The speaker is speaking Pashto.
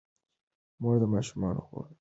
مور د ماشومانو خوب ته پام کوي.